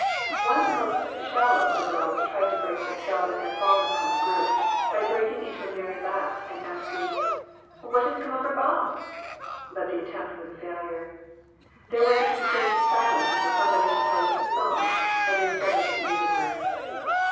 One of the most shallow of the girls tried to break the spell that had fallen upon the group, by breaking into a merry laugh, and asking " What has come over Bob?" But the attempt was a failure. There was a constrained silence until somebody proposed a song, and they started for the music room.